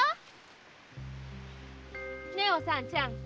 ねえおさんちゃん。